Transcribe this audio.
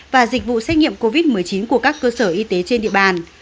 và dịch vụ xét nghiệm covid một mươi chín của các cơ sở y tế trên địa bàn